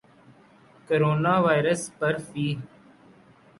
corona virus پر ف